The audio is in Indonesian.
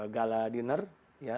yang biasanya setiap gala diner